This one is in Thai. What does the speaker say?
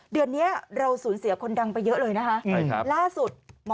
เดือนนี้เราสูญเสียคนดังไปเยอะเลยนะคะล่าสุดหมอ